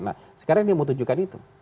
nah sekarang dia mau tunjukkan itu